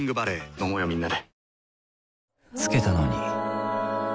飲もうよみんなで。